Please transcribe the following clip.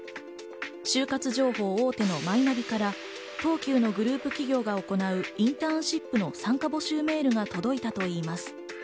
就活情報大手のマイナビから東急のグループ企業が行うインターンシップの参加募集メールが届いたといいます。